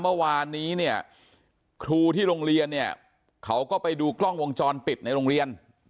เมื่อวานนี้เนี่ยครูที่โรงเรียนเนี่ยเขาก็ไปดูกล้องวงจรปิดในโรงเรียน